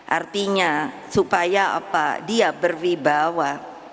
artinya supaya apa dia berwibawa